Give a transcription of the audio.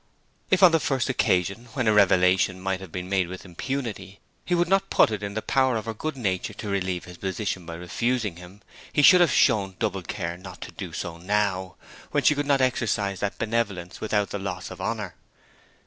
If on the first occasion, when a revelation might have been made with impunity, he would not put it in the power of her good nature to relieve his position by refusing him, he should have shown double care not to do so now, when she could not exercise that benevolence without the loss of honour.